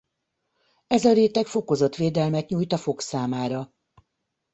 Ez a réteg fokozott védelmet nyújt a fog számára.